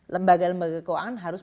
lembaga lembaga keuangan harus